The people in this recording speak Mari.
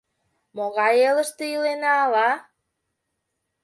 Могай элыште илена ала?